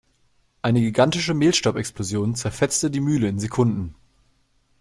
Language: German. Eine gigantische Mehlstaubexplosion zerfetzte die Mühle in Sekunden.